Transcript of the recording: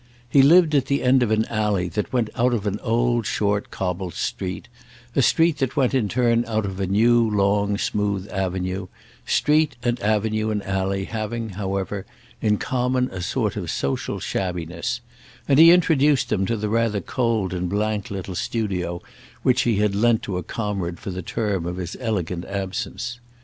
He lived at the end of an alley that went out of an old short cobbled street, a street that went in turn out of a new long smooth avenue—street and avenue and alley having, however, in common a sort of social shabbiness; and he introduced them to the rather cold and blank little studio which he had lent to a comrade for the term of his elegant absence.